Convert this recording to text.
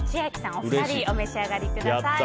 お二人お召し上がりください。